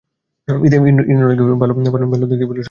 ইন্দ্রনাথকে ভালো দেখতে বললে সবটা বলা হয় না।